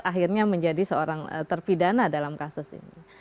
akhirnya menjadi seorang terpidana dalam kasus ini